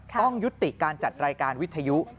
ต้องยุติการจัดรายการวิทยุ